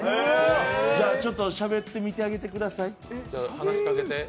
じゃあ、ちょっとしゃべってみてあげてください。